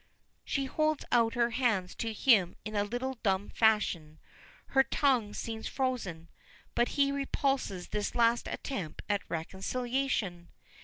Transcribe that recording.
She holds out her hands to him in a little dumb fashion. Her tongue seems frozen. But he repulses this last attempt at reconciliation.